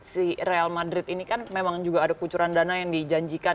si real madrid ini kan memang juga ada kucuran dana yang dijanjikan